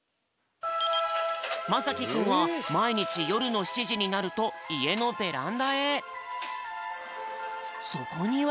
まさきくんはまいにちよるの７じになるといえのベランダへそこには。